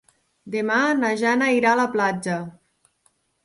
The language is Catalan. Demà na Jana irà a la platja.